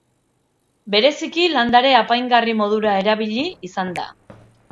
Bereziki landare apaingarri modura erabili izan da.